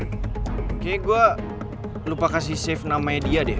kayaknya gue lupa kasih save namanya dia deh